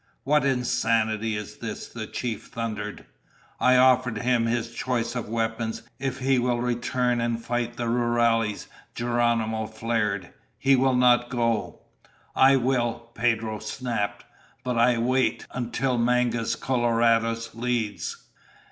"What insanity is this?" the chief thundered. "I offered him his choice of weapons if he will return and fight the rurales!" Geronimo flared. "He will not go!" "I will!" Pedro snapped. "But I wait until Mangus Coloradus leads!"